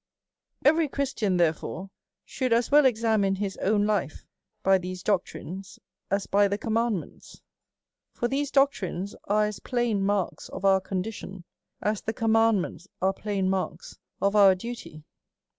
Every Christian, therefore, should as well examine his own life by these doctrines as by the command ments. For these doctrines are as plain marks of our condition, as the commandments are plain marks of our duty.